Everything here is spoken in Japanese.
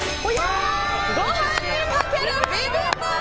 ご飯にかけるビビンバ！